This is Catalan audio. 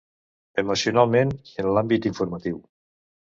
Emocionalment i en l’àmbit informatiu.